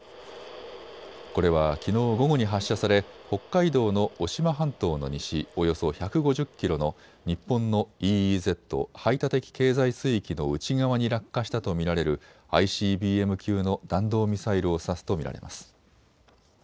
これはきのう午後に発射され北海道の渡島半島の西およそ１５０キロの日本のＥＥＺ・排他的経済水域の内側に落下したと見られるＩＣＢＭ級の弾道ミサイルを指すと見られます。